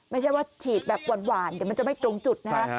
ไม่ใช่ว่าฉีดแบบหวานเดี๋ยวมันจะไม่ตรงจุดนะฮะ